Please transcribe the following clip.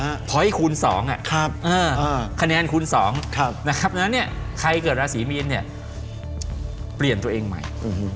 ดาวที่คูณสองคะแนนคูณสองใครเกิดราศีมีนเนี่ยเปลี่ยนตัวเองใหม่